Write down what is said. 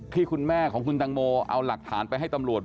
ที่คุณแม่ของคุณตังโมเอาหลักฐานไปให้ตำรวจ